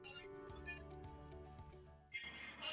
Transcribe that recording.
vijiko vya chakula mbili vya siagi